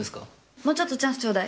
もうちょっとチャンスちょうだい！